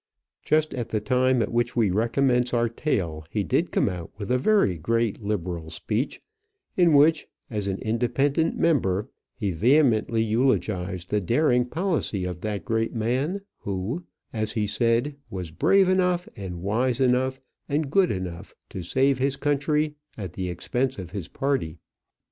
Just at the time at which we recommence our tale he did come out with a very great liberal speech, in which, as an independent member, he vehemently eulogized the daring policy of that great man who, as he said, was brave enough, and wise enough, and good enough to save his country at the expense of his party.